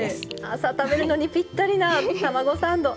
朝食べるのにぴったりなたまごサンド。